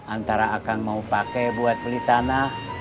antara akan mau pakai buat beli tanah